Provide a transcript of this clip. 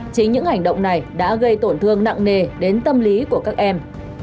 chính những hành động này đã gây tổn thương nặng nề đến tâm lý của các em